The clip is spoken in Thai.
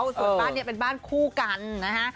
ส่วนบ้านนี้เป็นบ้านคู่กันนะฮะ